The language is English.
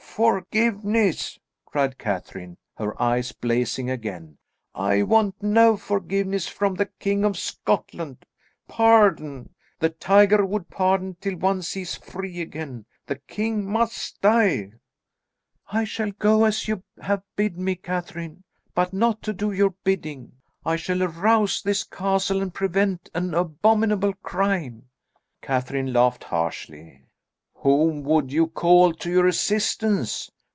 "Forgiveness!" cried Catherine, her eyes blazing again. "I want no forgiveness from the king of Scotland. Pardon! The tiger would pardon, till once he is free again. The king must die." "I shall go as you have bid me, Catherine, but not to do your bidding. I shall arouse this castle and prevent an abominable crime." Catherine laughed harshly. "Whom would you call to your assistance?